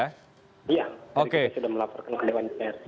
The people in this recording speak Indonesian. iya kita sudah melapor ke dewan pers